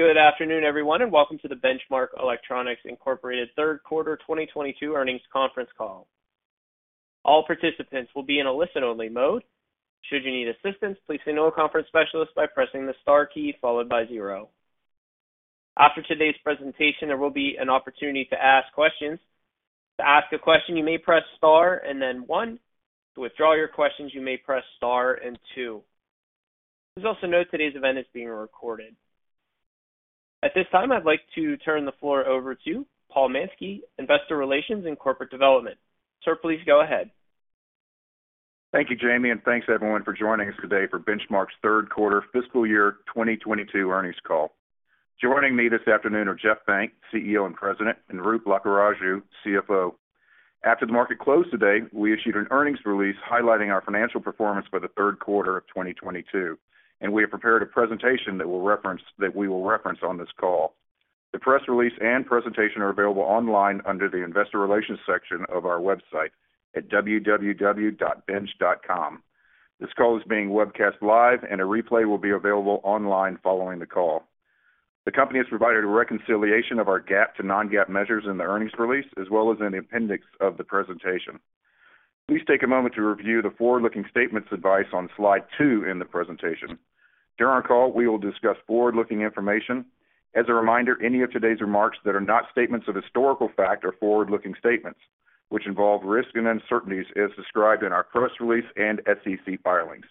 Good afternoon, everyone, and welcome to the Benchmark Electronics, Inc. Q3 2022 earnings conference call. All participants will be in a listen-only mode. Should you need assistance, please signal a conference specialist by pressing the star key followed by zero. After today's presentation, there will be an opportunity to ask questions. To ask a question, you may press star and then one. To withdraw your questions, you may press star and two. Please also note today's event is being recorded. At this time, I'd like to turn the floor over to Paul Mansky, Investor Relations and Corporate Development. Sir, please go ahead. Thank you, Jamie, and thanks everyone for joining us today for Benchmark's Q3 fiscal year 2022 earnings call. Joining me this afternoon are Jeff Benck, CEO and President, and Roop Lakkaraju, CFO. After the market closed today, we issued an earnings release highlighting our financial performance for the Q3 of 2022, and we have prepared a presentation that we will reference on this call. The press release and presentation are available online under the Investor Relations section of our website at www.bench.com. This call is being webcast live, and a replay will be available online following the call. The company has provided a reconciliation of our GAAP to non-GAAP measures in the earnings release, as well as in the appendix of the presentation. Please take a moment to review the forward-looking statements advice on slide two in the presentation. During our call, we will discuss forward-looking information. As a reminder, any of today's remarks that are not statements of historical fact are forward-looking statements, which involve risks and uncertainties as described in our press release and SEC filings.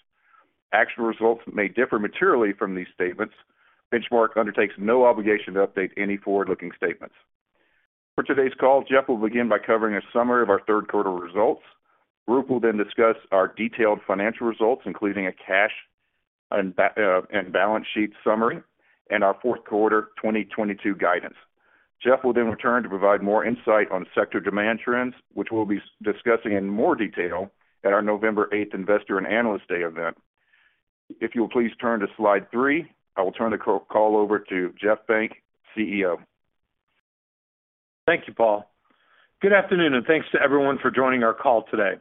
Actual results may differ materially from these statements. Benchmark undertakes no obligation to update any forward-looking statements. For today's call, Jeff will begin by covering a summary of our Q3 results. Roop will then discuss our detailed financial results, including a cash and balance sheet summary and our Q4 2022 guidance. Jeff will then return to provide more insight on sector demand trends, which we'll be discussing in more detail at our November eighth investor and analyst day event. If you'll please turn to slide three, I will turn the call over to Jeff Benck, CEO. Thank you, Paul. Good afternoon, and thanks to everyone for joining our call today.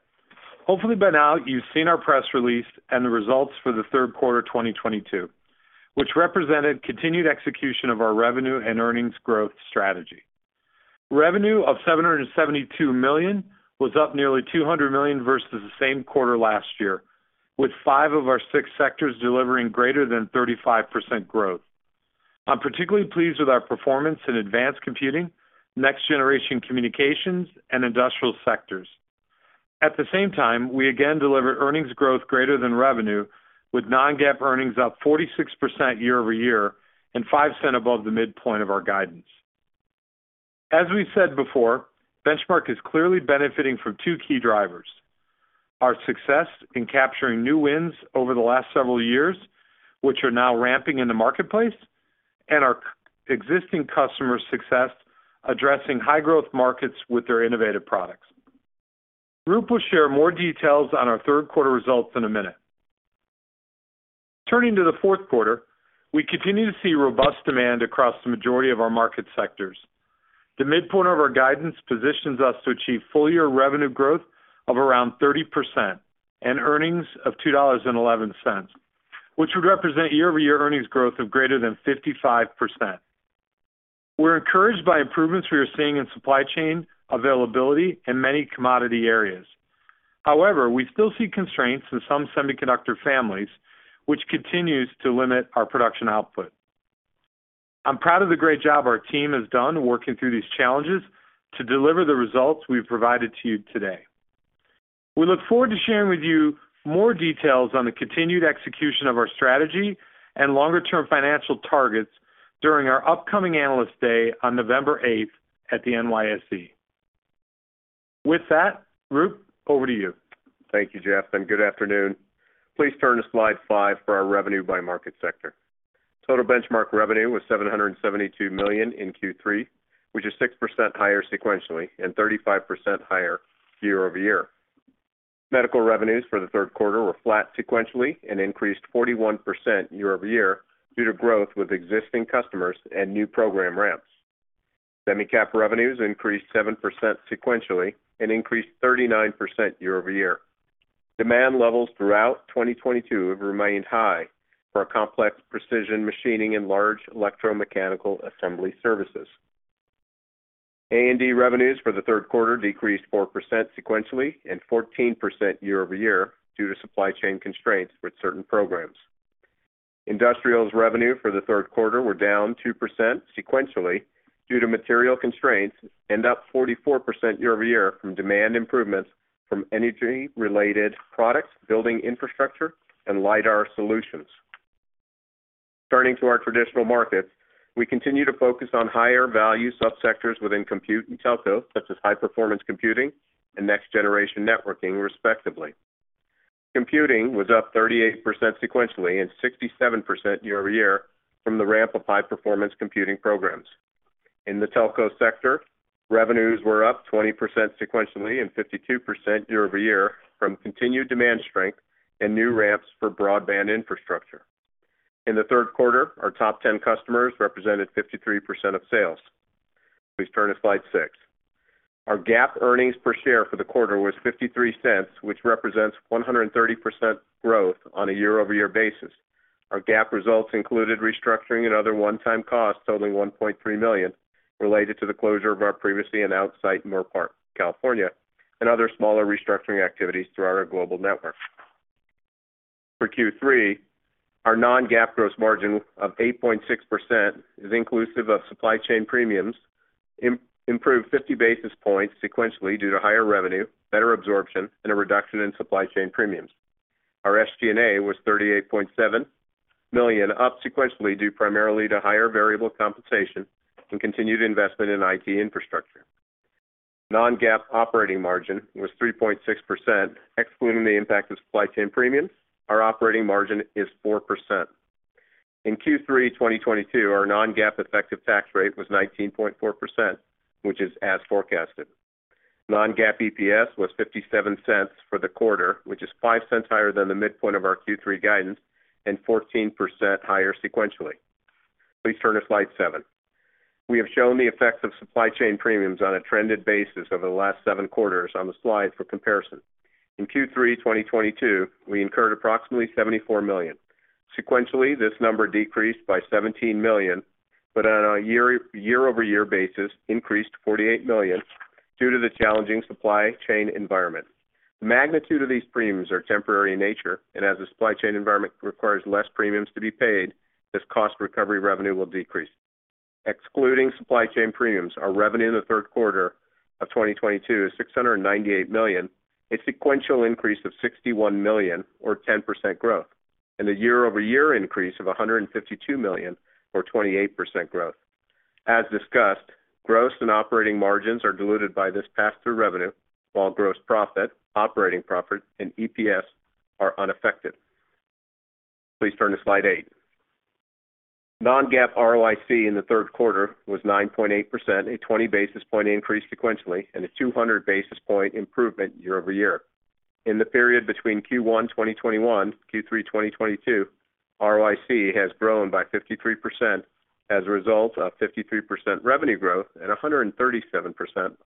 Hopefully by now you've seen our press release and the results for the Q3 2022, which represented continued execution of our revenue and earnings growth strategy. Revenue of $772 million was up nearly $200 million versus the same quarter last year, with five of our six sectors delivering greater than 35% growth. I'm particularly pleased with our performance in advanced computing, next generation communications, and industrial sectors. At the same time, we again delivered earnings growth greater than revenue, with non-GAAP earnings up 46% year-over-year and $0.05 above the midpoint of our guidance. As we've said before, Benchmark is clearly benefiting from two key drivers, our success in capturing new wins over the last several years, which are now ramping in the marketplace, and our existing customer success addressing high growth markets with their innovative products. Roop will share more details on our Q3 results in a minute. Turning to the Q4, we continue to see robust demand across the majority of our market sectors. The midpoint of our guidance positions us to achieve full year revenue growth of around 30% and earnings of $2.11, which would represent year-over-year earnings growth of greater than 55%. We're encouraged by improvements we are seeing in supply chain availability in many commodity areas. However, we still see constraints in some semiconductor families, which continues to limit our production output. I'm proud of the great job our team has done working through these challenges to deliver the results we've provided to you today. We look forward to sharing with you more details on the continued execution of our strategy and longer-term financial targets during our upcoming Analyst Day on November eighth at the NYSE. With that, Roop, over to you. Thank you, Jeff, and good afternoon. Please turn to slide five for our revenue by market sector. Total Benchmark revenue was $772 million in Q3, which is 6% higher sequentially and 35% higher year-over-year. Medical revenues for the Q3 were flat sequentially and increased 41% year-over-year due to growth with existing customers and new program ramps. Semi-cap revenues increased 7% sequentially and increased 39% year-over-year. Demand levels throughout 2022 have remained high for our complex precision machining and large electromechanical assembly services. A&D revenues for the Q3 decreased 4% sequentially and 14% year-over-year due to supply chain constraints with certain programs. Industrials revenue for the Q3 were down 2% sequentially due to material constraints and up 44% year-over-year from demand improvements from energy-related products, building infrastructure, and LiDAR solutions. Turning to our traditional markets, we continue to focus on higher value sub-sectors within compute and telco, such as high-performance computing and next-generation networking, respectively. Computing was up 38% sequentially and 67% year-over-year from the ramp of high-performance computing programs. In the telco sector, revenues were up 20% sequentially and 52% year-over-year from continued demand strength and new ramps for broadband infrastructure. In the Q3, our top 10 customers represented 53% of sales. Please turn to slide six. Our GAAP earnings per share for the quarter was $0.53, which represents 130% growth on a year-over-year basis. Our GAAP results included restructuring and other one-time costs totaling $1.3 million, related to the closure of our previously announced site in Moorpark, California, and other smaller restructuring activities throughout our global network. For Q3, our non-GAAP gross margin of 8.6% is inclusive of supply chain premiums, improved 50 basis points sequentially due to higher revenue, better absorption, and a reduction in supply chain premiums. Our SG&A was $38.7 million, up sequentially due primarily to higher variable compensation and continued investment in IT infrastructure. Non-GAAP operating margin was 3.6%. Excluding the impact of supply chain premiums, our operating margin is 4%. In Q3 2022, our non-GAAP effective tax rate was 19.4%, which is as forecasted. Non-GAAP EPS was $0.57 for the quarter, which is $0.05 higher than the midpoint of our Q3 guidance and 14% higher sequentially. Please turn to slide seven. We have shown the effects of supply chain premiums on a trended basis over the last seven quarters on the slide for comparison. In Q3 2022, we incurred approximately $74 million. Sequentially, this number decreased by $17 million, but on a year-over-year basis, increased to $48 million due to the challenging supply chain environment. The magnitude of these premiums are temporary in nature, and as the supply chain environment requires less premiums to be paid, this cost recovery revenue will decrease. Excluding supply chain premiums, our revenue in the Q3 of 2022 is $698 million, a sequential increase of $61 million or 10% growth, and a year-over-year increase of $152 million or 28% growth. As discussed, gross and operating margins are diluted by this pass-through revenue, while gross profit, operating profit, and EPS are unaffected. Please turn to slide eight. non-GAAP ROIC in the Q3 was 9.8%, a 20 basis point increase sequentially, and a 200 basis point improvement year-over-year. In the period between Q1 2021 to Q3 2022, ROIC has grown by 53% as a result of 53% revenue growth and a 137%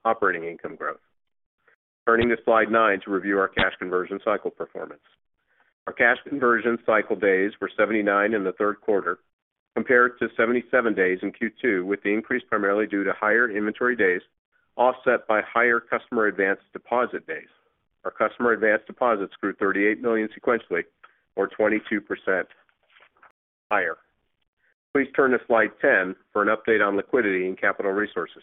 operating income growth. Turning to slide nine to review our cash conversion cycle performance. Our cash conversion cycle days were 79 in the Q3, compared to 77 days in Q2, with the increase primarily due to higher inventory days offset by higher customer advance deposit days. Our customer advance deposits grew $38 million sequentially, or 22% higher. Please turn to slide 10 for an update on liquidity and capital resources.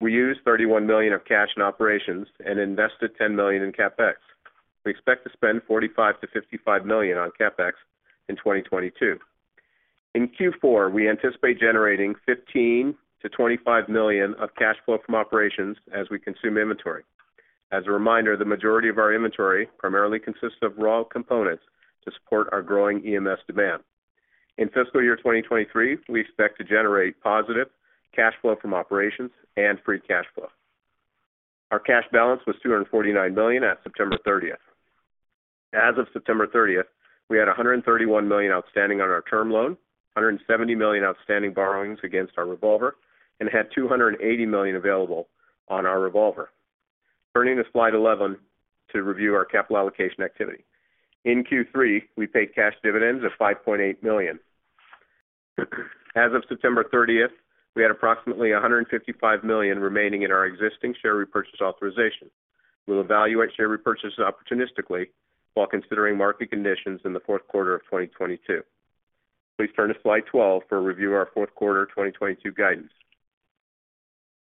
We used $31 million of cash in operations and invested $10 million in CapEx. We expect to spend $45 million-$55 million on CapEx in 2022. In Q4, we anticipate generating $15 million-$25 million of cash flow from operations as we consume inventory. As a reminder, the majority of our inventory primarily consists of raw components to support our growing EMS demand. In fiscal year 2023, we expect to generate positive cash flow from operations and free cash flow. Our cash balance was $249 million at September 30. As of September 13th, we had $131 million outstanding on our term loan, $170 million outstanding borrowings against our revolver, and had $280 million available on our revolver. Turning to slide 11 to review our capital allocation activity. In Q3, we paid cash dividends of $5.8 million. As of September 30th, we had approximately $155 million remaining in our existing share repurchase authorization. We'll evaluate share repurchases opportunistically while considering market conditions in the Q4 of 2022. Please turn to slide 12 for a review of our Q4 2022 guidance.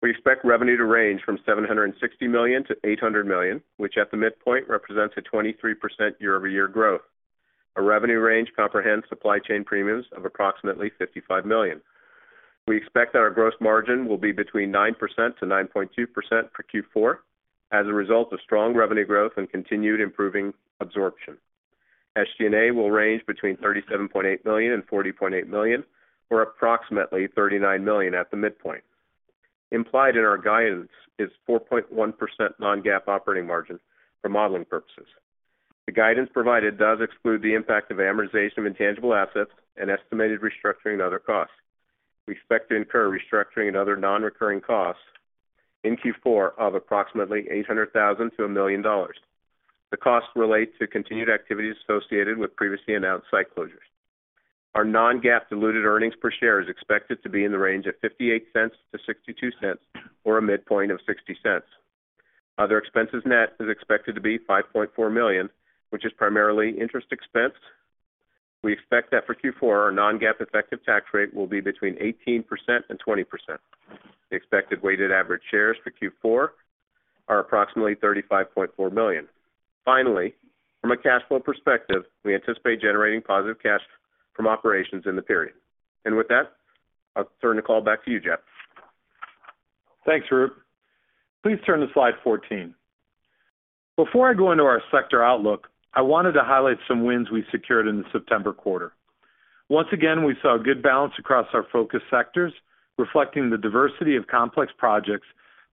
We expect revenue to range from $760 million-$800 million, which at the midpoint represents a 23% year-over-year growth. Our revenue range comprehends supply chain premiums of approximately $55 million. We expect that our gross margin will be between 9%-9.2% for Q4 as a result of strong revenue growth and continued improving absorption. SG&A will range between $37.8 million and $40.8 million, or approximately $39 million at the midpoint. Implied in our guidance is 4.1% non-GAAP operating margin for modeling purposes. The guidance provided does exclude the impact of amortization of intangible assets and estimated restructuring and other costs. We expect to incur restructuring and other non-recurring costs in Q4 of approximately $800,000-$1 million. The costs relate to continued activities associated with previously announced site closures. Our non-GAAP diluted earnings per share is expected to be in the range of $0.58-$0.62, or a midpoint of $0.60. Other expenses net is expected to be $5.4 million, which is primarily interest expense. We expect that for Q4, our non-GAAP effective tax rate will be between 18% and 20%. The expected weighted average shares for Q4 are approximately 35.4 million. Finally, from a cash flow perspective, we anticipate generating positive cash from operations in the period. With that, I'll turn the call back to you, Jeff. Thanks, Roop. Please turn to slide 14. Before I go into our sector outlook, I wanted to highlight some wins we secured in the September quarter. Once again, we saw a good balance across our focus sectors, reflecting the diversity of complex projects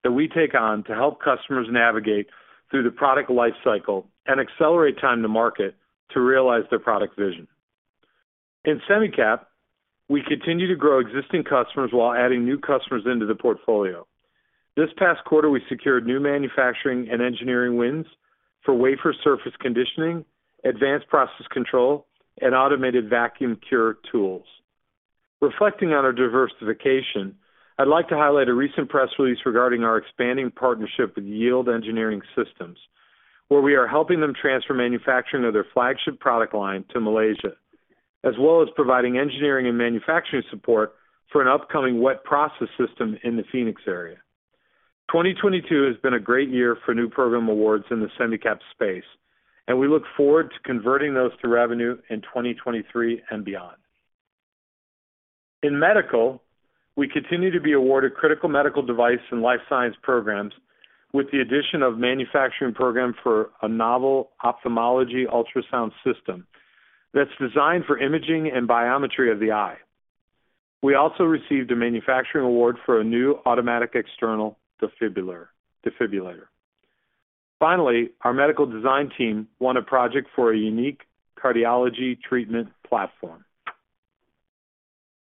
that we take on to help customers navigate through the product life cycle and accelerate time to market to realize their product vision. In Semicap, we continue to grow existing customers while adding new customers into the portfolio. This past quarter, we secured new manufacturing and engineering wins for wafer surface conditioning, advanced process control, and automated vacuum cure tools. Reflecting on our diversification, I'd like to highlight a recent press release regarding our expanding partnership with Yield Engineering Systems, where we are helping them transfer manufacturing of their flagship product line to Malaysia, as well as providing engineering and manufacturing support for an upcoming wet process system in the Phoenix area. 2022 has been a great year for new program awards in the semi-cap space, and we look forward to converting those to revenue in 2023 and beyond. In medical, we continue to be awarded critical medical device and life science programs with the addition of manufacturing program for a novel ophthalmology ultrasound system that's designed for imaging and biometry of the eye. We also received a manufacturing award for a new automatic external defibrillator. Finally, our medical design team won a project for a unique cardiology treatment platform.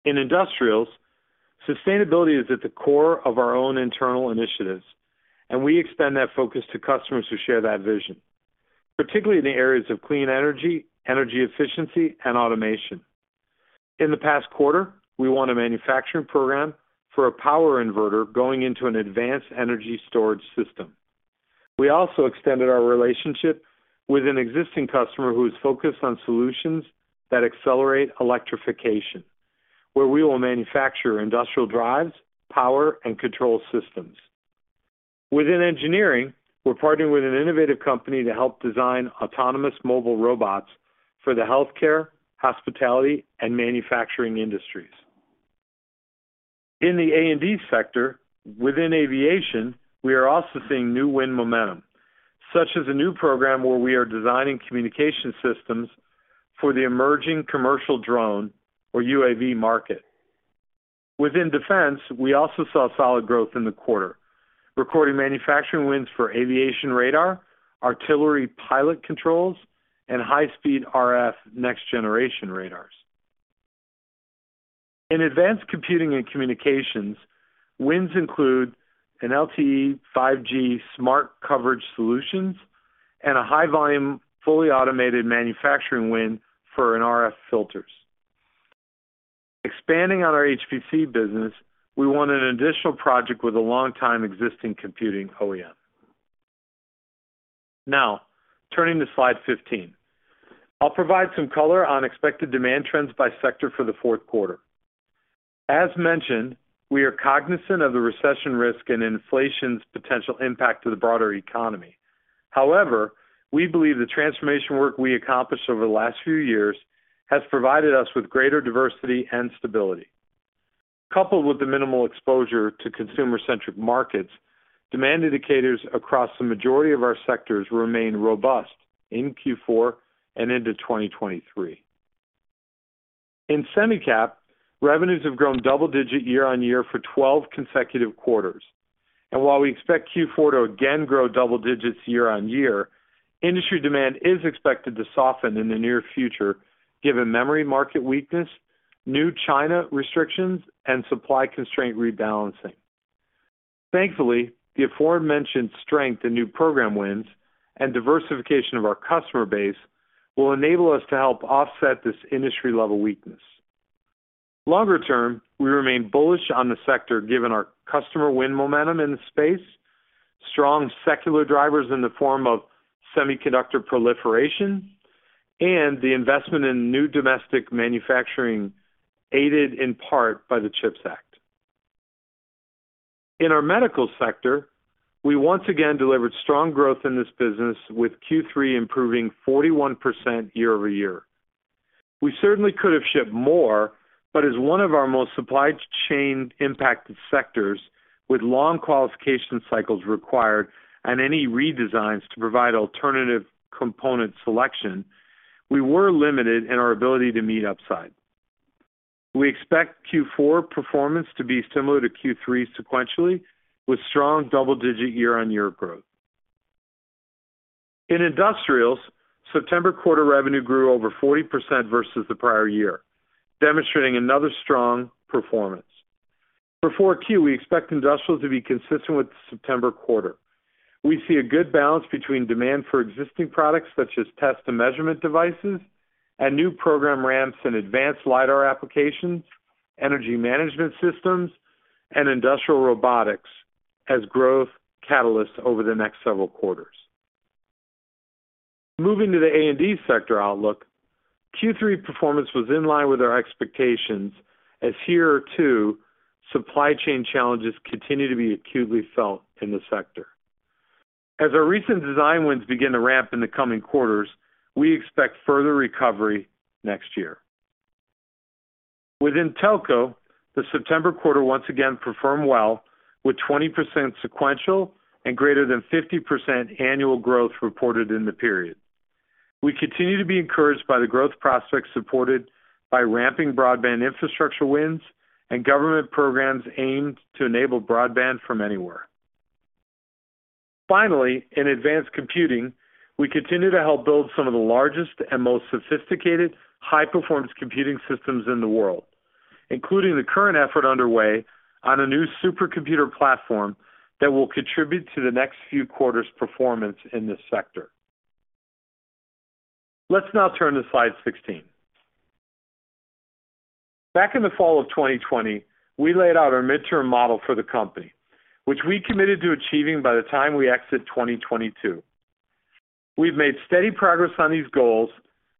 In industrials, sustainability is at the core of our own internal initiatives, and we extend that focus to customers who share that vision, particularly in the areas of clean energy efficiency, and automation. In the past quarter, we won a manufacturing program for a power inverter going into an advanced energy storage system. We also extended our relationship with an existing customer who is focused on solutions that accelerate electrification, where we will manufacture industrial drives, power, and control systems. Within engineering, we're partnering with an innovative company to help design autonomous mobile robots for the healthcare, hospitality, and manufacturing industries. In the A&D sector, within aviation, we are also seeing new win momentum, such as a new program where we are designing communication systems for the emerging commercial drone or UAV market. Within defense, we also saw solid growth in the quarter, recording manufacturing wins for aviation radar, artillery pilot controls, and high-speed RF next generation radars. In advanced computing and communications, wins include an LTE, 5G smart coverage solutions and a high-volume, fully automated manufacturing win for an RF filters. Expanding on our HPC business, we won an additional project with a long-time existing computing OEM. Now, turning to slide 15. I'll provide some color on expected demand trends by sector for the Q4. As mentioned, we are cognizant of the recession risk and inflation's potential impact to the broader economy. However, we believe the transformation work we accomplished over the last few years has provided us with greater diversity and stability. Coupled with the minimal exposure to consumer-centric markets, demand indicators across the majority of our sectors remain robust in Q4 and into 2023. In semi-cap, revenues have grown double-digit year-over-year for 12 consecutive quarters. While we expect Q4 to again grow double digits year-over-year, industry demand is expected to soften in the near future given memory market weakness, new China restrictions, and supply constraint rebalancing. Thankfully, the aforementioned strength in new program wins and diversification of our customer base will enable us to help offset this industry-level weakness. Longer term, we remain bullish on the sector given our customer win momentum in the space, strong secular drivers in the form of semiconductor proliferation, and the investment in new domestic manufacturing, aided in part by the CHIPs Act. In our medical sector, we once again delivered strong growth in this business with Q3 improving 41% year-over-year. We certainly could have shipped more, but as one of our most supply chain impacted sectors with long qualification cycles required and any redesigns to provide alternative component selection, we were limited in our ability to meet upside. We expect Q4 performance to be similar to Q3 sequentially, with strong double-digit year-on-year growth. In industrials, September quarter revenue grew over 40% versus the prior year, demonstrating another strong performance. For Q4, we expect industrials to be consistent with the September quarter. We see a good balance between demand for existing products, such as test and measurement devices, and new program ramps in advanced LiDAR applications, energy management systems, and industrial robotics as growth catalysts over the next several quarters. Moving to the A&D sector outlook, Q3 performance was in line with our expectations as here, too, supply chain challenges continue to be acutely felt in the sector. As our recent design wins begin to ramp in the coming quarters, we expect further recovery next year. Within telco, the September quarter once again performed well with 20% sequential and greater than 50% annual growth reported in the period. We continue to be encouraged by the growth prospects supported by ramping broadband infrastructure wins and government programs aimed to enable broadband from anywhere. Finally, in advanced computing, we continue to help build some of the largest and most sophisticated high-performance computing systems in the world, including the current effort underway on a new supercomputer platform that will contribute to the next few quarters' performance in this sector. Let's now turn to slide 16. Back in the fall of 2020, we laid out our midterm model for the company, which we committed to achieving by the time we exit 2022. We've made steady progress on these goals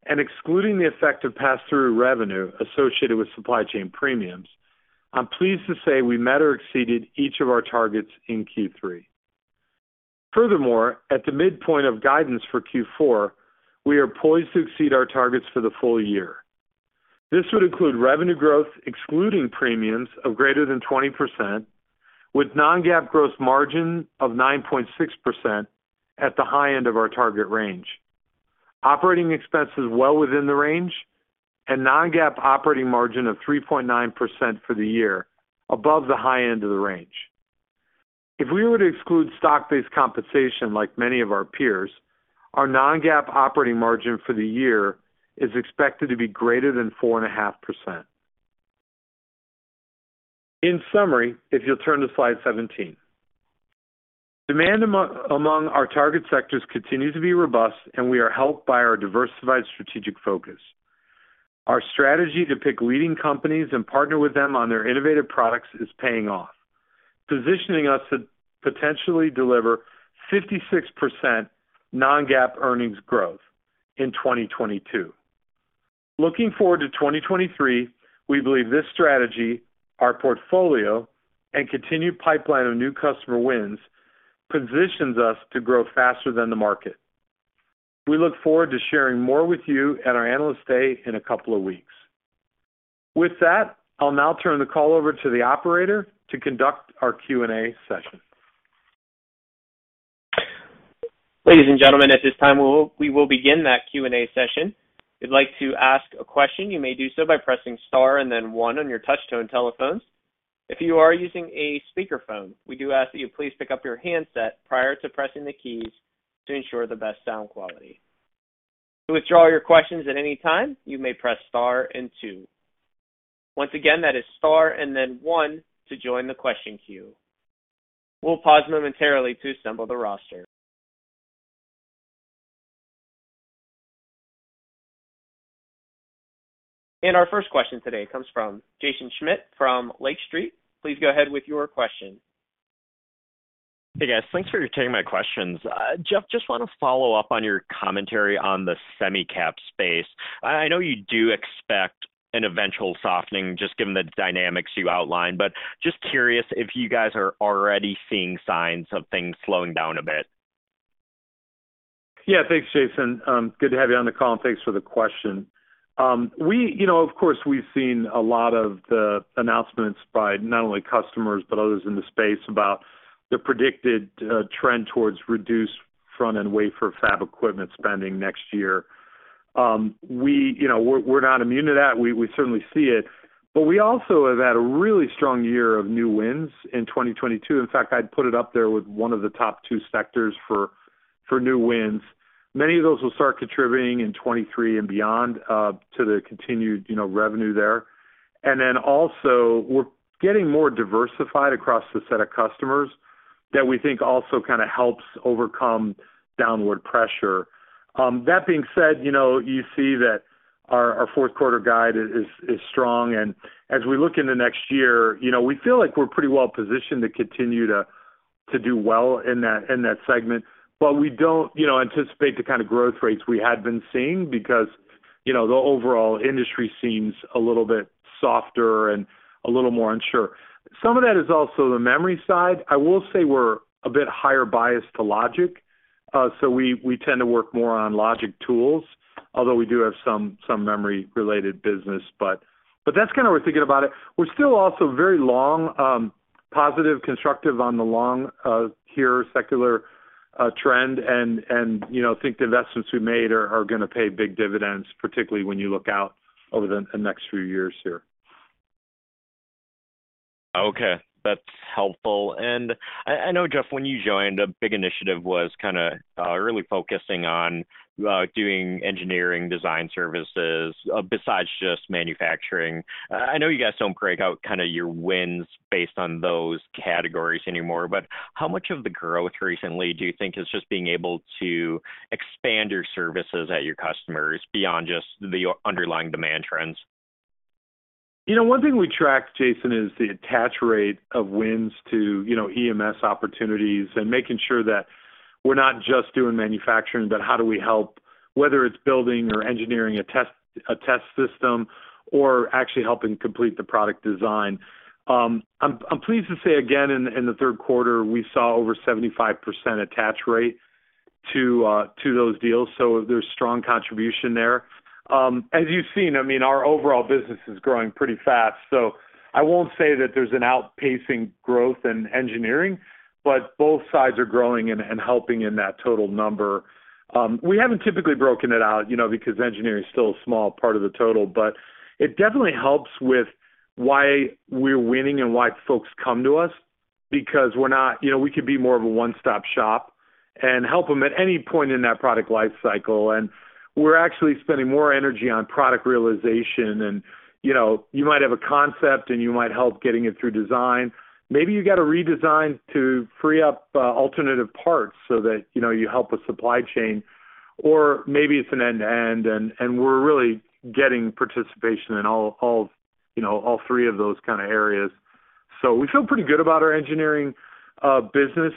and excluding the effect of pass-through revenue associated with supply chain premiums, I'm pleased to say we met or exceeded each of our targets in Q3. Furthermore, at the midpoint of guidance for Q4, we are poised to exceed our targets for the full year. This would include revenue growth excluding premiums of greater than 20%, with non-GAAP gross margin of 9.6% at the high end of our target range. Operating expenses well within the range and non-GAAP operating margin of 3.9% for the year above the high end of the range. If we were to exclude stock-based compensation like many of our peers, our non-GAAP operating margin for the year is expected to be greater than 4.5%. In summary, if you'll turn to slide 17. Demand among our target sectors continues to be robust, and we are helped by our diversified strategic focus. Our strategy to pick leading companies and partner with them on their innovative products is paying off, positioning us to potentially deliver 56% non-GAAP earnings growth in 2022. Looking forward to 2023, we believe this strategy, our portfolio, and continued pipeline of new customer wins positions us to grow faster than the market. We look forward to sharing more with you at our Analyst Day in a couple of weeks. With that, I'll now turn the call over to the operator to conduct our Q&A session. Ladies and gentlemen, at this time, we will begin that Q&A session. If you'd like to ask a question, you may do so by pressing star and then one on your touch-tone telephones. If you are using a speakerphone, we do ask that you please pick up your handset prior to pressing the keys to ensure the best sound quality. To withdraw your questions at any time, you may press star and two. Once again, that is star and then one to join the question queue. We'll pause momentarily to assemble the roster. Our first question today comes from Jaeson Schmidt from Lake Street Capital Markets. Please go ahead with your question. Hey, guys. Thanks for taking my questions. Jeff, just want to follow up on your commentary on the semi-cap space. I know you do expect an eventual softening just given the dynamics you outlined, but just curious if you guys are already seeing signs of things slowing down a bit. Yeah. Thanks, Jaeson. Good to have you on the call, and thanks for the question. You know, of course, we've seen a lot of the announcements by not only customers, but others in the space about the predicted trend towards reduced front-end wafer fab equipment spending next year. You know, we're not immune to that. We certainly see it, but we also have had a really strong year of new wins in 2022. In fact, I'd put it up there with one of the top two sectors for new wins. Many of those will start contributing in 2023 and beyond to the continued revenue there. Then also, we're getting more diversified across the set of customers that we think also kinda helps overcome downward pressure. That being said, you know, you see that our Q4 guide is strong. As we look in the next year, you know, we feel like we're pretty well positioned to continue to do well in that segment. We don't, you know, anticipate the kind of growth rates we had been seeing because, you know, the overall industry seems a little bit softer and a little more unsure. Some of that is also the memory side. I will say we're a bit higher biased to logic, so we tend to work more on logic tools, although we do have some memory-related business. That's kinda we're thinking about it. We're still also very long, positive, constructive on the longer secular trend and, you know, think the investments we made are gonna pay big dividends, particularly when you look out over the next few years here. Okay. That's helpful. I know, Jeff, when you joined, a big initiative was kinda really focusing on doing engineering design services besides just manufacturing. I know you guys don't break out kinda your wins based on those categories anymore, but how much of the growth recently do you think is just being able to expand your services at your customers beyond just the underlying demand trends? You know, one thing we track, Jaeson, is the attach rate of wins to, you know, EMS opportunities and making sure that we're not just doing manufacturing, but how do we help, whether it's building or engineering a test system or actually helping complete the product design. I'm pleased to say again in the Q3, we saw over 75% attach rate to those deals, so there's strong contribution there. As you've seen, I mean, our overall business is growing pretty fast. I won't say that there's an outpacing growth in engineering, but both sides are growing and helping in that total number. We haven't typically broken it out, you know, because engineering is still a small part of the total, but it definitely helps with why we're winning and why folks come to us because we're not. You know, we could be more of a one-stop-shop and help them at any point in that product life cycle. We're actually spending more energy on product realization. You know, you might have a concept, and you might help getting it through design. Maybe you gotta redesign to free up alternative parts so that, you know, you help with supply chain. Or maybe it's an end-to-end, and we're really getting participation in all, you know, all three of those kinda areas. We feel pretty good about our engineering business.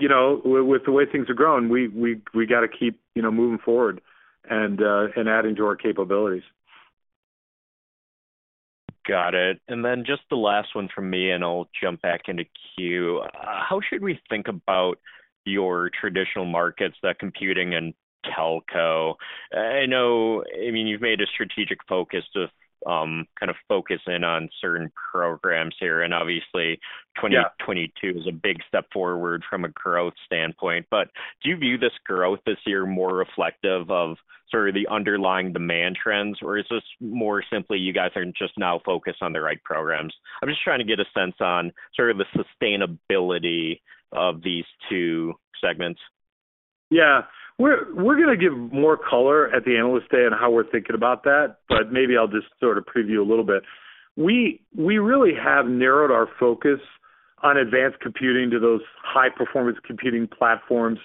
You know, with the way things are growing, we gotta keep, you know, moving forward and adding to our capabilities. Got it. Just the last one from me, and I'll jump back into queue. How should we think about your traditional markets, the computing and telco? I mean, you've made a strategic focus to kind of focus in on certain programs here, and 2022 is a big step forward from a growth standpoint. Do you view this growth this year more reflective of sort of the underlying demand trends, or is this more simply you guys are just now focused on the right programs? I'm just trying to get a sense on sort of the sustainability of these two segments. We're gonna give more color at the Analyst Day on how we're thinking about that, but maybe I'll just sort of preview a little bit. We really have narrowed our focus on advanced computing to those high-performance computing platforms.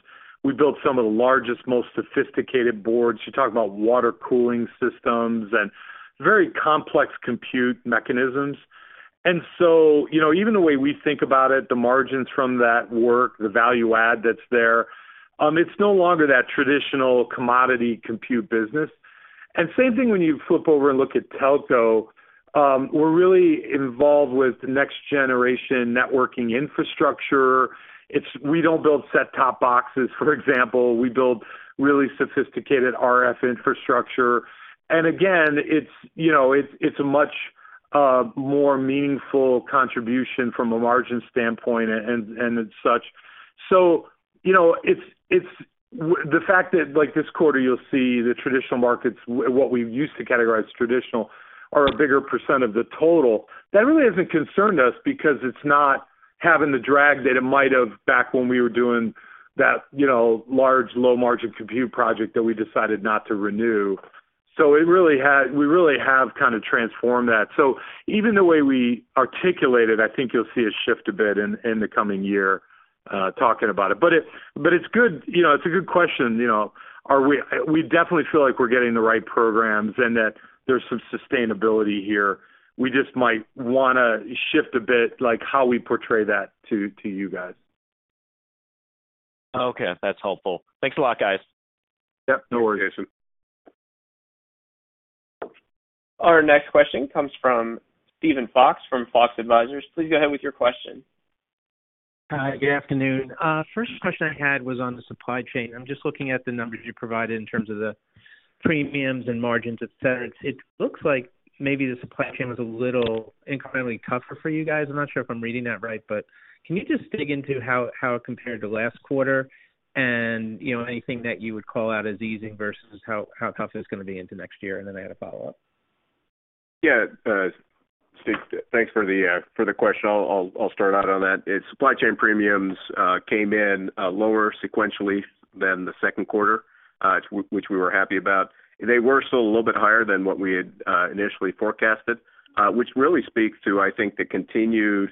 We built some of the largest, most sophisticated boards. You talk about water cooling systems and very complex compute mechanisms. You know, even the way we think about it, the margins from that work, the value add that's there, it's no longer that traditional commodity compute business. Same thing when you flip over and look at telco, we're really involved with next generation networking infrastructure. We don't build set-top boxes, for example. We build really sophisticated RF infrastructure. Again, it's, you know, it's a much more meaningful contribution from a margin standpoint and it's such. You know, it's the fact that like this quarter you'll see the traditional markets, what we used to categorize as traditional, are a bigger percent of the total, that really hasn't concerned us because it's not having the drag that it might have back when we were doing that, you know, large, low-margin compute project that we decided not to renew. We really have kinda transformed that. Even the way we articulate it, I think you'll see a shift a bit in the coming year talking about it. But it's good. You know, it's a good question, you know. We definitely feel like we're getting the right programs and that there's some sustainability here. We just might wanna shift a bit, like, how we portray that to you guys. Okay. That's helpful. Thanks a lot, guys. Yep. No worries. Our next question comes from Steven Fox from Fox Advisors. Please go ahead with your question. Hi, good afternoon. First question I had was on the supply chain. I'm just looking at the numbers you provided in terms of the premiums and margins, et cetera. It looks like maybe the supply chain was a little incrementally tougher for you guys. I'm not sure if I'm reading that right. Can you just dig into how it compared to last quarter and, you know, anything that you would call out as easing versus how tough it's gonna be into next year? Then I had a follow-up. Yeah. Steven, thanks for the question. I'll start out on that. Its supply chain premiums came in lower sequentially than the second quarter, which we were happy about. They were still a little bit higher than what we had initially forecasted, which really speaks to, I think, the continued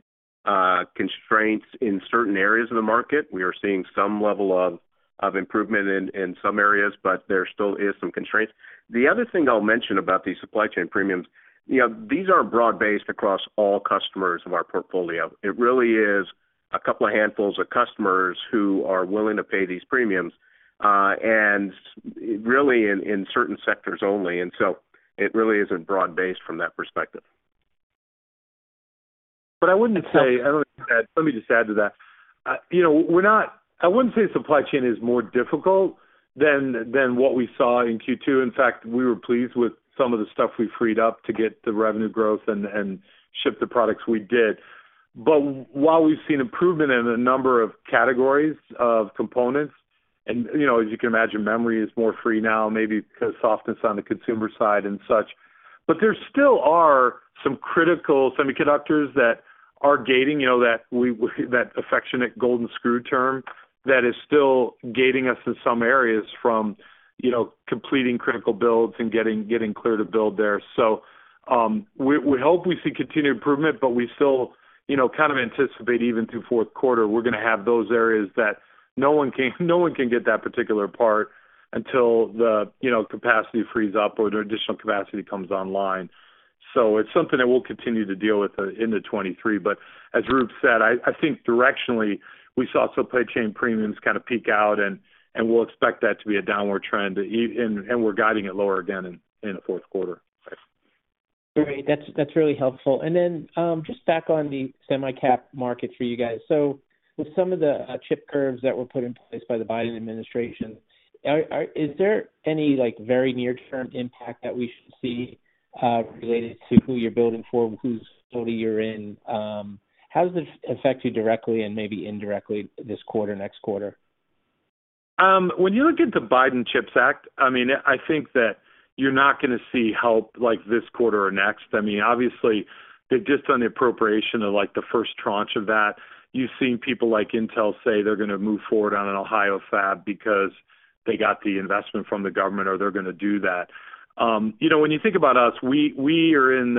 constraints in certain areas of the market. We are seeing some level of improvement in some areas, but there still is some constraints. The other thing I'll mention about these supply chain premiums, you know, these aren't broad-based across all customers of our portfolio. It really is a couple of handfuls of customers who are willing to pay these premiums, and really in certain sectors only. It really isn't broad-based from that perspective. I wouldn't say. I know you said. Let me just add to that. You know, I wouldn't say supply chain is more difficult than what we saw in Q2. In fact, we were pleased with some of the stuff we freed up to get the revenue growth and ship the products we did. While we've seen improvement in a number of categories of components, and you know, as you can imagine, memory is more free now, maybe because softness on the consumer side and such. There still are some critical semiconductors that are gating, you know, that affectionate golden screw term that is still gating us in some areas from, you know, completing critical builds and getting clear to build there. We hope we see continued improvement, but we still, you know, kind of anticipate even through Q4, we're gonna have those areas that no one can get that particular part until the, you know, capacity frees up or the additional capacity comes online. It's something that we'll continue to deal with into 2023. As Roop said, I think directionally, we saw supply chain premiums kind of peak out, and we'll expect that to be a downward trend, and we're guiding it lower again in the Q4. Great. That's really helpful. Just back on the semi-cap market for you guys. With some of the chip curbs that were put in place by the Biden administration, is there any, like, very near-term impact that we should see related to who you're building for, who you're in? How does this affect you directly and maybe indirectly this quarter, next quarter? When you look at the Biden CHIPS Act, I mean, I think that you're not gonna see help like this quarter or next. I mean, obviously they've just done the appropriation of, like, the first tranche of that. You've seen people like Intel say they're gonna move forward on an Ohio fab because they got the investment from the government, or they're gonna do that. You know, when you think about us, we are in,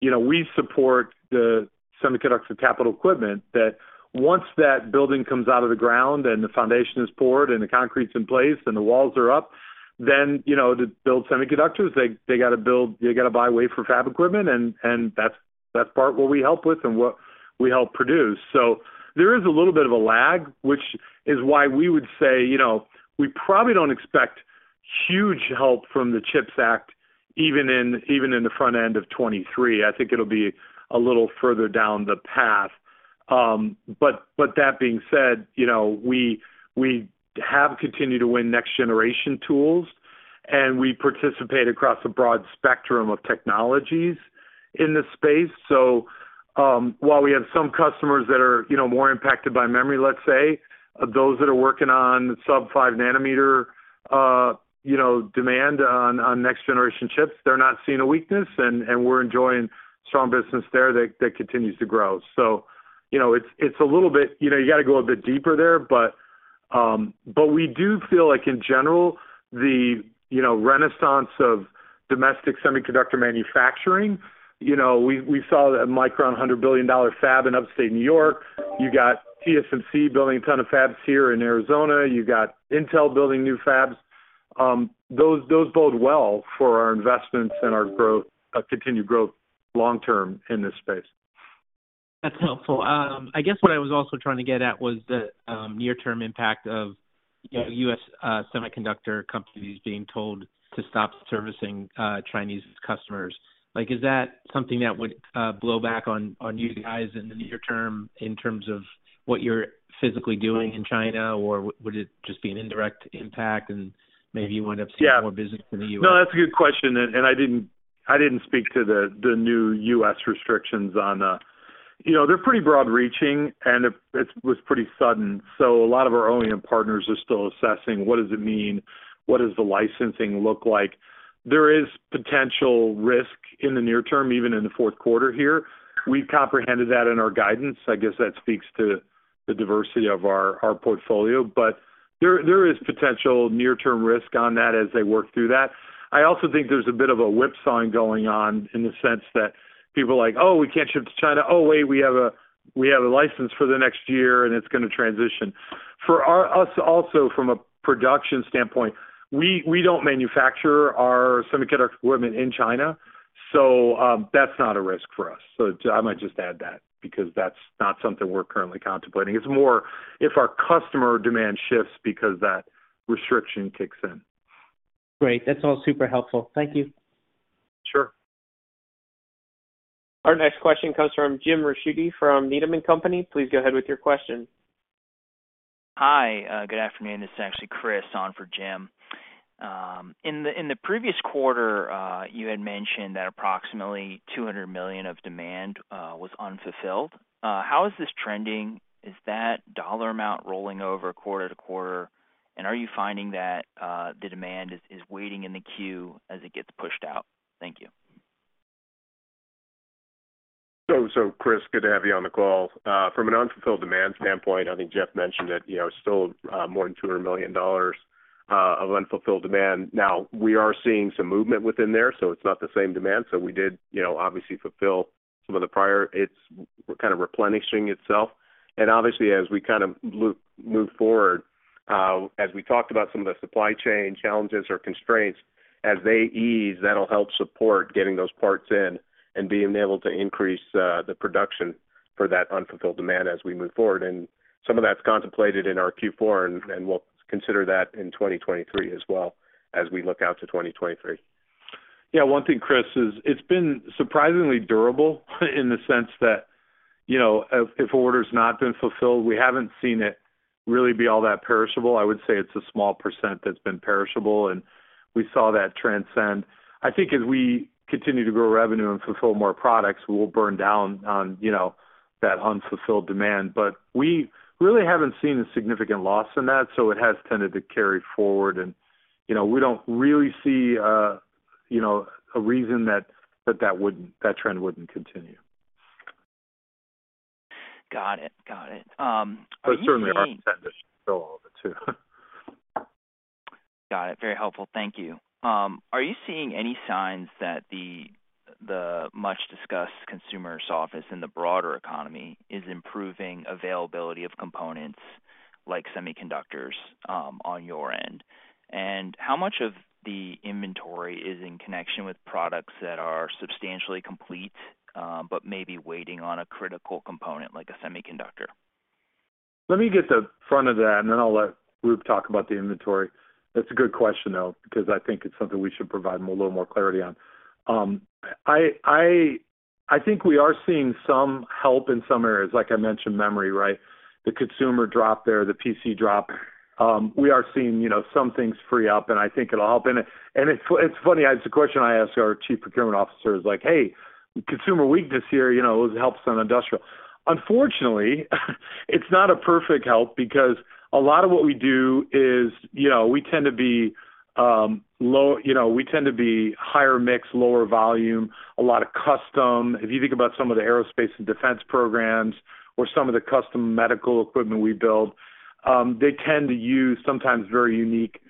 you know, we support the semiconductor capital equipment that once that building comes out of the ground and the foundation is poured and the concrete's in place and the walls are up, then, you know, to build semiconductors, they gotta build. You gotta buy wafer fab equipment, and that's part of what we help with and what we help produce. There is a little bit of a lag, which is why we would say, you know, we probably don't expect huge help from the CHIPS Act, even in the front end of 2023. I think it'll be a little further down the path. That being said, you know, we have continued to win next-generation tools, and we participate across a broad spectrum of technologies in this space. While we have some customers that are, you know, more impacted by memory, let's say, those that are working on sub-5 nanometer, you know, demand on next-generation chips, they're not seeing a weakness, and we're enjoying strong business there that continues to grow. You know, it's a little bit. You know, you gotta go a bit deeper there. We do feel like in general, you know, the renaissance of domestic semiconductor manufacturing. You know, we saw Micron a $100 billion fab in upstate New York. You got TSMC building a ton of fabs here in Arizona. You got Intel building new fabs. Those bode well for our investments and our growth, continued growth long-term in this space. That's helpful. I guess what I was also trying to get at was the near-term impact of, you know, U.S. semiconductor companies being told to stop servicing Chinese customers. Like, is that something that would blow back on you guys in the near term in terms of what you're physically doing in China, or would it just be an indirect impact and maybe you wind up seeing. Yeah. More business in the U.S.? No, that's a good question. I didn't speak to the new U.S. restrictions on. You know, they're pretty broad reaching, and it was pretty sudden, so a lot of our OEM partners are still assessing what does it mean, what does the licensing look like. There is potential risk in the near term, even in the Q4 here. We've comprehended that in our guidance. I guess that speaks to the diversity of our portfolio. But there is potential near-term risk on that as they work through that. I also think there's a bit of a whipsaw going on in the sense that people are like, "Oh, we can't ship to China." Oh, wait, we have a license for the next year, and it's gonna transition. For us also from a production standpoint, we don't manufacture our semiconductor equipment in China, so that's not a risk for us. I might just add that because that's not something we're currently contemplating. It's more if our customer demand shifts because that restriction kicks in. Great. That's all super helpful. Thank you. Sure. Our next question comes from Jim Ricchiuti from Needham & Company. Please go ahead with your question. Hi. Good afternoon. This is actually Chris on for Jim. In the previous quarter, you had mentioned that approximately $200 million of demand was unfulfilled. How is this trending? Is that dollar amount rolling over quarter-to-quarter? Are you finding that the demand is waiting in the queue as it gets pushed out? Thank you. Chris, good to have you on the call. From an unfulfilled demand standpoint, I think Jeff mentioned that, you know, still more than $200 million of unfulfilled demand. Now, we are seeing some movement within there, so it's not the same demand. We did, you know, obviously fulfill some of the prior. It's kind of replenishing itself. Obviously, as we move forward, as we talked about some of the supply chain challenges or constraints, as they ease, that'll help support getting those parts in and being able to increase the production for that unfulfilled demand as we move forward. Some of that's contemplated in our Q4, and we'll consider that in 2023 as well as we look out to 2023. Yeah. One thing, Chris, is it's been surprisingly durable in the sense that, you know, if order's not been fulfilled, we haven't seen it really be all that perishable. I would say it's a small percent that's been perishable, and we saw that trend extend. I think as we continue to grow revenue and fulfill more products, we'll burn down on, you know, that unfulfilled demand. We really haven't seen a significant loss in that, so it has tended to carry forward. You know, we don't really see, you know, a reason that that trend wouldn't continue. Got it. Are you seeing? Certainly our intent is to sell all of it too. Got it. Very helpful. Thank you. Are you seeing any signs that the much-discussed consumer softness in the broader economy is improving availability of components like semiconductors, on your end? How much of the inventory is in connection with products that are substantially complete, but may be waiting on a critical component like a semiconductor? Let me get the front of that, and then I'll let Roop talk about the inventory. That's a good question, though, because I think it's something we should provide them a little more clarity on. I think we are seeing some help in some areas, like I mentioned memory, right? The consumer drop there, the PC drop. We are seeing, you know, some things free up, and I think it'll help. It's funny. It's a question I ask our chief procurement officers, like, "Hey, consumer weakness here, you know, will it help some industrial?" Unfortunately, it's not a perfect help because a lot of what we do is, you know, we tend to be higher mix, lower volume, a lot of custom. If you think about some of the aerospace and defense programs or some of the custom medical equipment we build, they tend to use sometimes very unique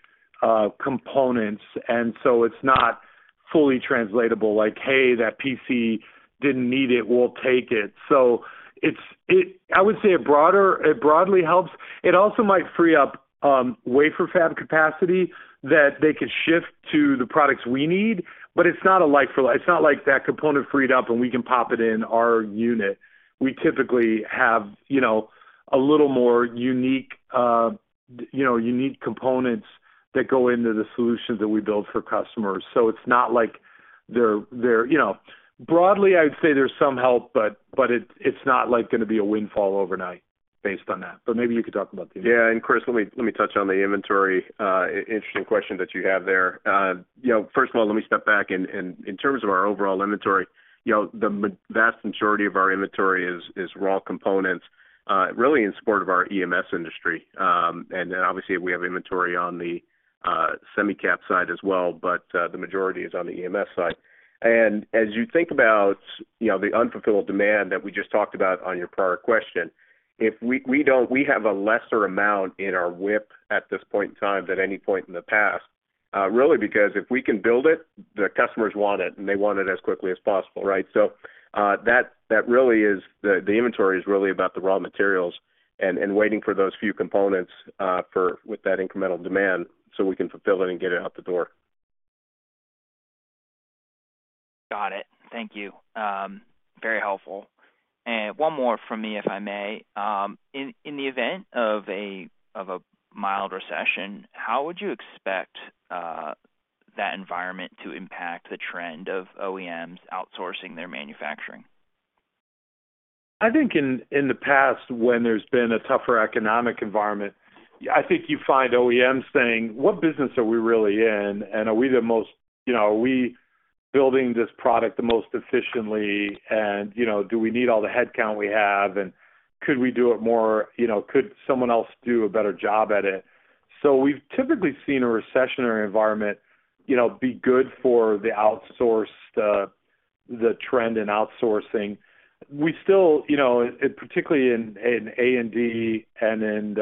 components. It's not fully translatable, like, hey, that PC didn't need it, we'll take it. I would say it broadly helps. It also might free up wafer fab capacity that they could shift to the products we need. It's not a like for like. It's not like that component freed up, and we can pop it in our unit. We typically have, you know, a little more unique, you know, unique components that go into the solutions that we build for customers. It's not like they're, you know, broadly, I would say there's some help, but it's not like gonna be a windfall overnight based on that. Maybe you could talk about the. Yeah. Chris, let me touch on the inventory, interesting question that you have there. You know, first of all, let me step back, and in terms of our overall inventory, you know, the vast majority of our inventory is raw components, really in support of our EMS industry. And then obviously we have inventory on the semi-cap side as well, but the majority is on the EMS side. As you think about, you know, the unfulfilled demand that we just talked about on your prior question, we have a lesser amount in our WIP at this point in time than any point in the past, really because if we can build it, the customers want it, and they want it as quickly as possible, right? The inventory is really about the raw materials and waiting for those few components for with that incremental demand so we can fulfill it and get it out the door. Got it. Thank you. Very helpful. One more from me, if I may. In the event of a mild recession, how would you expect that environment to impact the trend of OEMs outsourcing their manufacturing? I think in the past, when there's been a tougher economic environment, I think you find OEMs saying, "What business are we really in? And you know, are we building this product the most efficiently? And, you know, do we need all the headcount we have? And you know, could someone else do a better job at it?" We've typically seen a recessionary environment, you know, be good for the outsourced, the trend in outsourcing. We still, you know, and particularly in A&D and in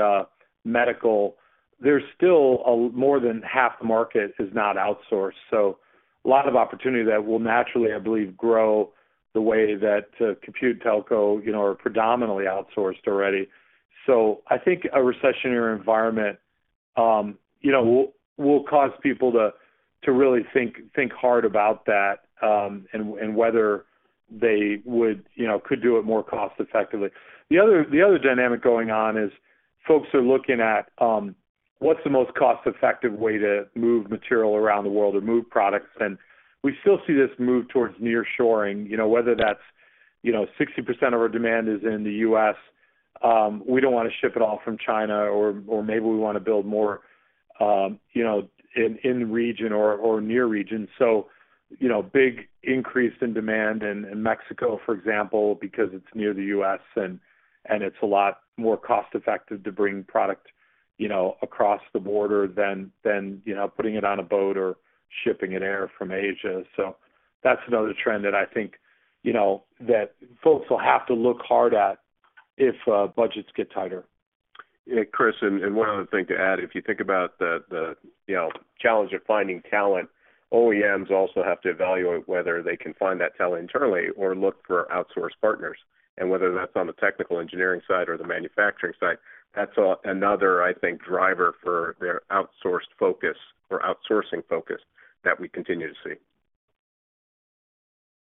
medical, there's still more than half the market is not outsourced. So a lot of opportunity that will naturally, I believe, grow the way that, compute telco, you know, are predominantly outsourced already. I think a recessionary environment, you know, will cause people to really think hard about that, and whether they would, you know, could do it more cost effectively. The other dynamic going on is folks are looking at what's the most cost-effective way to move material around the world or move products. We still see this move towards nearshoring, you know, whether that's, you know, 60% of our demand is in the US, we don't wanna ship it all from China or maybe we wanna build more, you know, in region or near region. You know, big increase in demand in Mexico, for example, because it's near the U.S. and it's a lot more cost effective to bring product, you know, across the border than you know, putting it on a boat or shipping in air from Asia. That's another trend that I think, you know, that folks will have to look hard at if budgets get tighter. Yeah, Chris, one other thing to add, if you think about the challenge of finding talent, OEMs also have to evaluate whether they can find that talent internally or look for outsourced partners. Whether that's on the technical engineering side or the manufacturing side, that's another, I think, driver for their outsourced focus or outsourcing focus that we continue to see.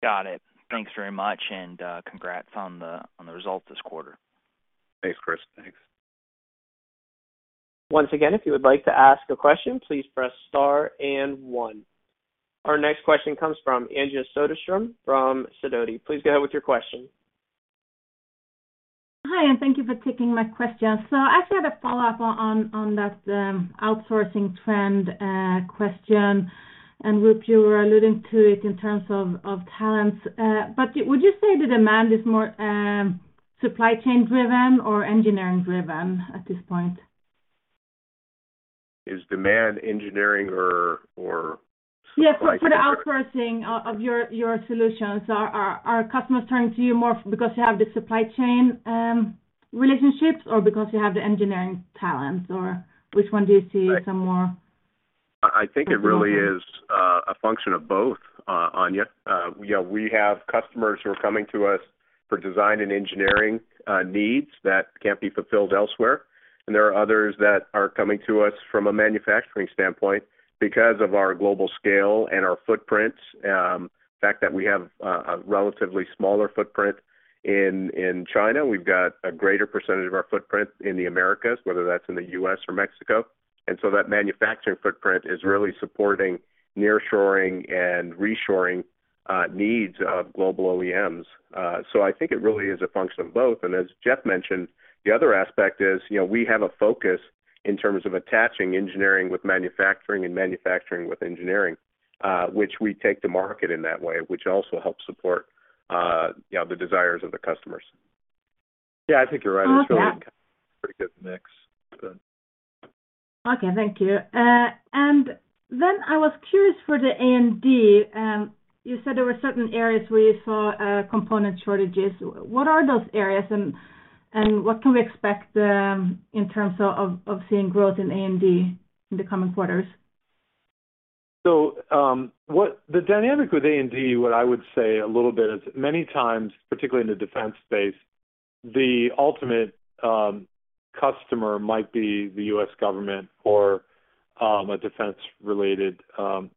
Got it. Thanks very much, and congrats on the result this quarter. Thanks, Chris. Thanks. Once again, if you would like to ask a question, please press star and one. Our next question comes from Anja Soderstrom from Sidoti. Please go ahead with your question. Hi, thank you for taking my question. I actually had a follow-up on that outsourcing trend question. Roop, you were alluding to it in terms of talents. Would you say the demand is more supply chain driven or engineering driven at this point? Is demand engineering or supply chain driven? Yes. For the outsourcing of your solutions, are customers turning to you more because you have the supply chain relationships or because you have the engineering talents, or which one do you see some more? I think it really is a function of both, Anja. You know, we have customers who are coming to us for design and engineering needs that can't be fulfilled elsewhere. There are others that are coming to us from a manufacturing standpoint because of our global scale and our footprints. The fact that we have a relatively smaller footprint in China. We've got a greater percentage of our footprint in the Americas, whether that's in the U.S. or Mexico. So that manufacturing footprint is really supporting nearshoring and reshoring needs of global OEMs. So I think it really is a function of both. As Jeff mentioned, the other aspect is, you know, we have a focus in terms of attaching engineering with manufacturing and manufacturing with engineering. which we take to market in that way, which also helps support, you know, the desires of the customers. Yeah, I think you're right. Okay. It's really pretty good mix. Okay, thank you. I was curious for the A&D. You said there were certain areas where you saw component shortages. What are those areas? What can we expect in terms of seeing growth in A&D in the coming quarters? The dynamic with A&D, what I would say a little bit is many times, particularly in the defense space, the ultimate customer might be the U.S. government or a defense-related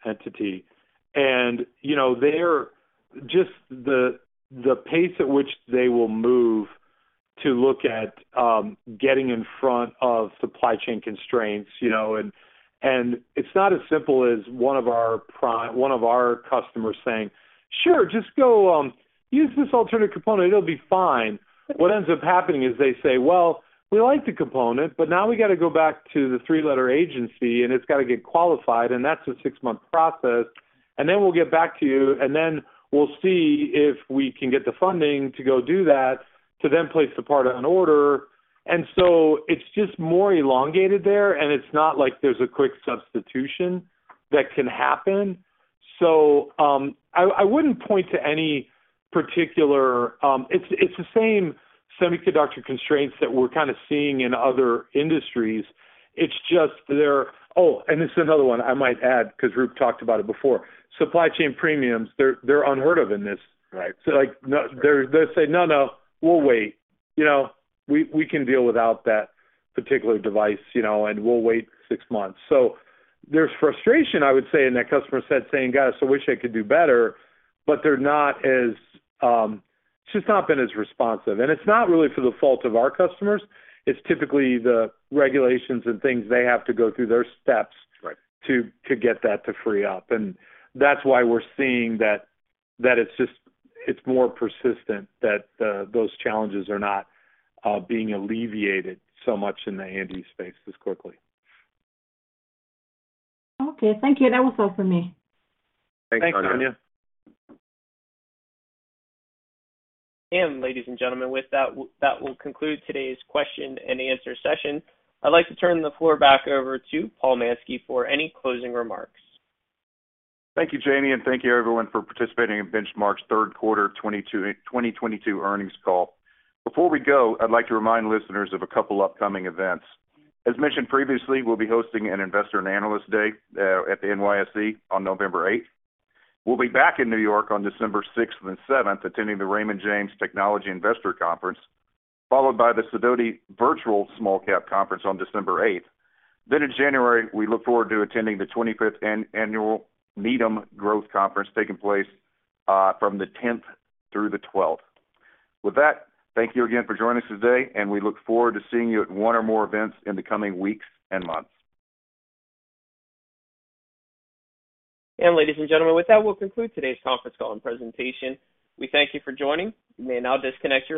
entity. You know, they're just the pace at which they will move to look at getting in front of supply chain constraints, you know. It's not as simple as one of our customers saying, "Sure, just go use this alternative component, it'll be fine." What ends up happening is they say, "Well, we like the component, but now we gotta go back to the three-letter agency, and it's gotta get qualified, and that's a six-month process. Then we'll get back to you, and then we'll see if we can get the funding to go do that, to then place the part on order." It's just more elongated there, and it's not like there's a quick substitution that can happen. I wouldn't point to any particular. It's the same semiconductor constraints that we're kind of seeing in other industries. It's just there. Oh, and this is another one I might add, 'cause Roop talked about it before. Supply chain premiums, they're unheard of in this. Right. Like, no, they say, "No, no, we'll wait. You know, we can deal without that particular device, you know, and we'll wait six months." There's frustration, I would say, in that customer set saying, "Gosh, I wish I could do better," but they're not as, it's just not been as responsive. It's not really the fault of our customers. It's typically the regulations and things they have to go through their steps. Right. to get that to free up. That's why we're seeing that it's just more persistent that those challenges are not being alleviated so much in the A&D space as quickly. Okay, thank you. That was all for me. Thanks, Anja. Thanks, Anja. Ladies and gentlemen, with that will conclude today's question and answer session. I'd like to turn the floor back over to Paul Mansky for any closing remarks. Thank you, Jamie, and thank you everyone for participating in Benchmark's Q3 2022 earnings call. Before we go, I'd like to remind listeners of a couple upcoming events. As mentioned previously, we'll be hosting an investor and analyst day at the NYSE on November 8. We'll be back in New York on December 6 and 7, attending the Raymond James Technology Investors Conference, followed by the Sidoti Small-Cap Virtual Conference on December 8. In January, we look forward to attending the 25th annual Needham Growth Conference taking place from the 10 through the 12. With that, thank you again for joining us today, and we look forward to seeing you at one or more events in the coming weeks and months. Ladies and gentlemen, with that, we'll conclude today's conference call and presentation. We thank you for joining. You may now disconnect your lines.